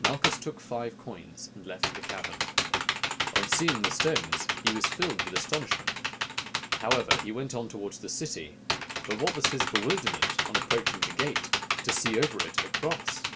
Malchus took five coins and left the cavern. On seeing the stones he was filled with astonishment; however, he went on towards the city; but what was his bewilderment, on approaching the gate, to see over it a cross!